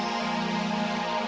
pas di aps